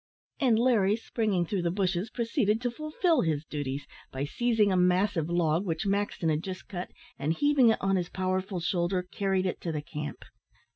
And Larry, springing through the bushes, proceeded to fulfil his duties, by seizing a massive log, which Maxton had just cut, and, heaving it on his powerful shoulder, carried it to the camp.